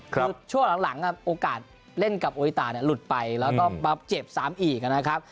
คือช่วงหลังโอกาสเล่นกับโอลิตาหลุดไปแล้วก็มาเจ็บซ้ำอีกนะครับ